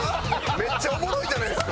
めっちゃおもろいじゃないですか。